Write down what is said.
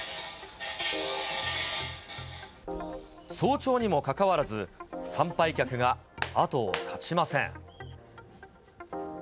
早朝にもかかわらず、参拝客が後を絶ちません。